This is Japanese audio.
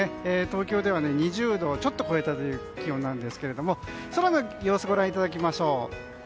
東京では２０度をちょっと超えたという気温なんですけども空の様子をご覧いただきましょう。